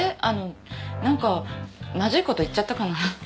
あの何かまずいこと言っちゃったかな。